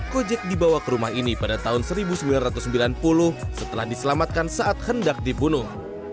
kojek dibawa ke rumah ini pada tahun seribu sembilan ratus sembilan puluh setelah diselamatkan saat hendak dibunuh